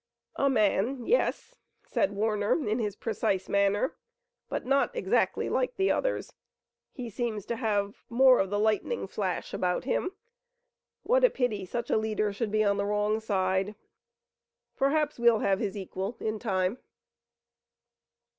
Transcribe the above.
"A man, yes," said Warner, in his precise manner, "but not exactly like the others. He seems to have more of the lightning flash about him. What a pity such a leader should be on the wrong side! Perhaps we'll have his equal in time."